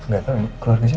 gak tau keluarga siapa